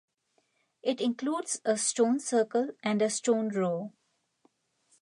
It includes a stone circle and a stone row.